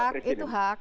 itu hak itu hak